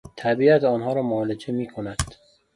طبیعت آنها را معالجه می کند